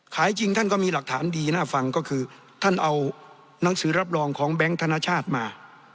จริงท่านก็มีหลักฐานดีน่าฟังก็คือท่านเอาหนังสือรับรองของแบงค์ธนชาติมา